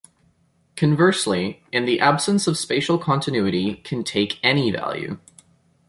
Conversely, in the absence of spatial continuity can take any value.